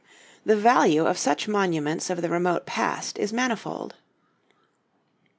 The value of such monuments of the remote past is manifold.